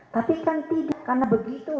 tapi kan tidak karena begitu